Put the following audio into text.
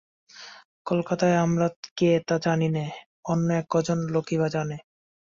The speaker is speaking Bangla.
কলকাতায় আমরা কে তা জানি নে, অন্য কজন লোকই বা জানে!